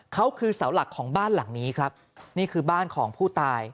เขาคือเสาหลักของบ้านหลังนี้ครับนี่คือบ้านของผู้ตาย